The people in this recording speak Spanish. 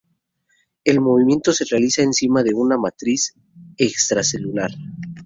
El movimiento se realiza encima de una matriz extracelular.